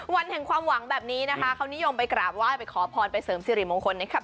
วันแห่งความหวังแบบนี้นะคะเขานิยมไปกราบไหว้ไปขอพรไปเสริมสิริมงคลนะครับ